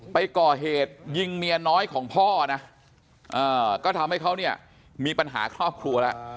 ไปก่อเหตุยิงเมียน้อยของพ่อนะก็ทำให้เขาเนี่ยมีปัญหาครอบครัวแล้ว